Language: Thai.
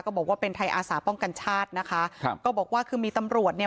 บอกว่าเป็นไทยอาสาป้องกันชาตินะคะครับก็บอกว่าคือมีตำรวจเนี่ย